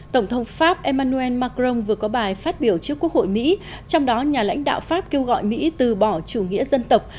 tổng thống pháp emmanuel macron vừa có bài phát biểu trước quốc hội mỹ trong đó nhà lãnh đạo pháp kêu gọi mỹ từ bỏ chủ nghĩa dân tộc